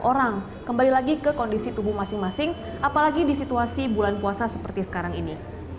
orang kembali lagi ke kondisi tubuh masing masing apalagi di situasi bulan puasa seperti sekarang ini